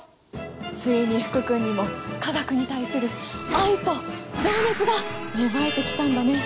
ついに福君にも化学に対する愛と情熱が芽生えてきたんだね！